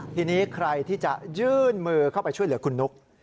ทีนี้ใครที่จะยื่นมือเข้าไปช่วยเหลือคุณนุ๊ก